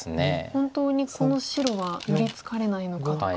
本当にこの白は寄り付かれないのかとか。